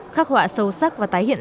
khắc họa sâu sắc và tái hiện